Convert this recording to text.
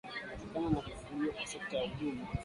kutokana na kufufuliwa kwa sekta ya huduma